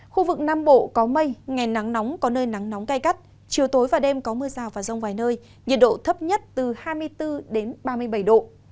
khu vực nam bộ có mây ngày nắng nóng có nơi nắng nóng gai gắt chiều tối và đêm có mưa rào và rông vài nơi nhiệt độ thấp nhất từ hai mươi bốn ba mươi bảy độ